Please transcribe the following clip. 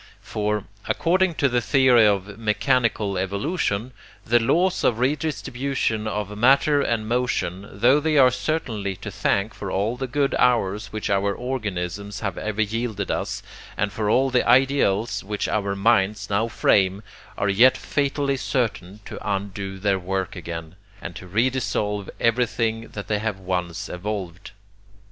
For, according to the theory of mechanical evolution, the laws of redistribution of matter and motion, tho they are certainly to thank for all the good hours which our organisms have ever yielded us and for all the ideals which our minds now frame, are yet fatally certain to undo their work again, and to redissolve everything that they have once evolved.